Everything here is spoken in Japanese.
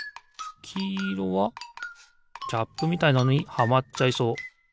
きいろはキャップみたいなのにはまっちゃいそう。